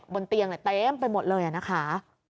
บนเตียงเต็มไปหมดเลยนะคะ